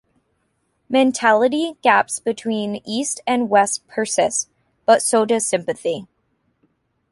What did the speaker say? Mentality gaps between East and West persist, but so does sympathy.